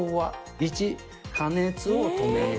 １、加熱を止める。